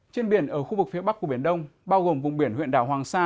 trên biển ở khu vực phía bắc của biển đông bao gồm vùng biển huyện đảo hoàng sa